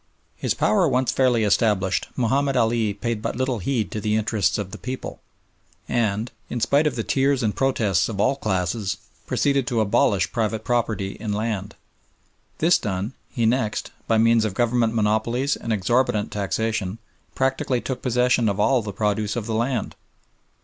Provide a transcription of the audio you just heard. His power once fairly established, Mahomed Ali paid but little heed to the interests of the people, and, in spite of the tears and protests of all classes, proceeded to abolish private property in land. This done, he next, by means of government monopolies and exorbitant taxation, practically took possession of all the produce of the land.